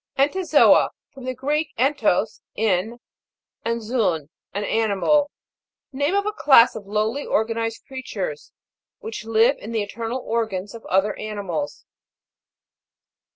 ENTOZO'A. From the Greek, entos, in, and 200/1, an animal. Name of a class of lowly organized crea tures, which live in the internal organs of other animals.